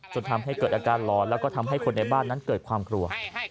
จนทำให้เกิดอาการหลอนแล้วก็ทำให้คนในบ้านนั้นเกิดความกลัว